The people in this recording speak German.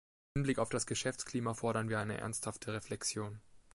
Im Hinblick auf das Geschäftsklima fordern wir eine ernsthafte Reflexion.